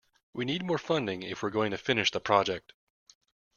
We need more funding if we're going to finish the project.